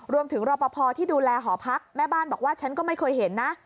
รอปภที่ดูแลหอพักแม่บ้านบอกว่าฉันก็ไม่เคยเห็นนะ